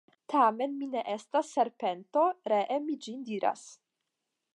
Tamen mi ne estas serpento, ree mi ĝin diras.